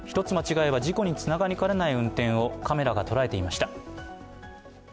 １つ間違えれば事故につながりかねない運転をカメラが捉えていました。